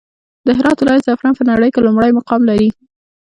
د هرات ولايت زعفران په نړى کې لومړى مقام لري.